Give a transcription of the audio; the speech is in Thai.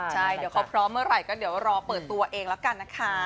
ใช่เดี๋ยวเขาพร้อมเมื่อไหร่ก็เดี๋ยวรอเปิดตัวเองแล้วกันนะคะ